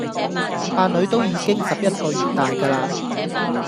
呀囡都已經十一個月大架啦